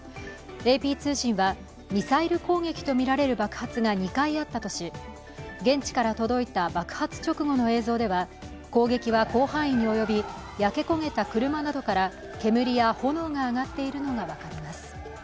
ＡＰ通信はミサイル攻撃とみられる爆発が２回あったとし、現地から届いた爆発直後の映像では攻撃は広範囲に及び、焼け焦げた車などから煙や炎が上がっているのが分かります。